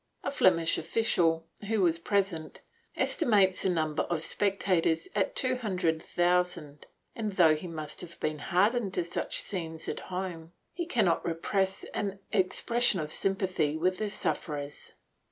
A Flemish official, who was present, estimates the number of spectators at two hundred thousand and, though he must have been hardened to such scenes at home, he cannot repress an expression of sympathy with the sufferers.